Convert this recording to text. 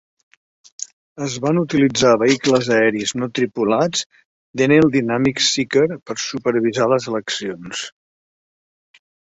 Es van utilitzar vehicles aeris no tripulats Denel Dynamics Seeker per supervisar les eleccions.